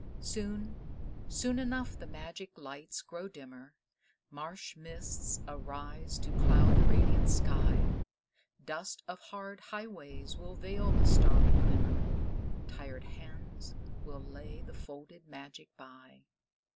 Soon, soon enough the magic lights grow dimmer, Marsh mists arise to cloud the radiant sky, Dust of hard highways will veil the starry glimmer, Tired hands will lay the folded magic by.